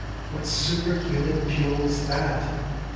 what superhuman Peal was that?